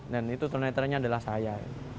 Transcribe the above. dan itu tunanetra nya adalah saya